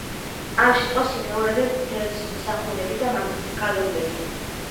ამ სიტყვას იმეორებენ მღვდელმსახურები და მგალობლები.